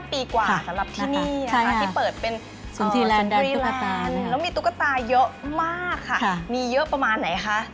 ปีกว่าสำหรับที่นี่นะคะที่เปิดเป็นศูนย์แล้วมีตุ๊กตาเยอะมากค่ะมีเยอะประมาณไหนคะ